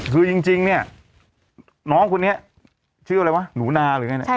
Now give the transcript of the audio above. คือจริงเนี่ยน้องคุณเนี่ยชื่ออะไรวะหนูนาหรือไง